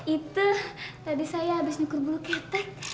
itu tadi saya habis nyukur bulu ketek